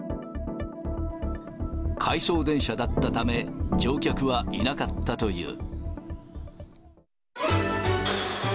回送電車だったため、乗客はいなかったという。